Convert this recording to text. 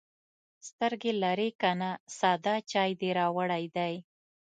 _سترګې لرې که نه، ساده چای دې راوړی دی.